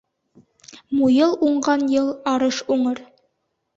Муйыл уңған йыл арыш уңыр.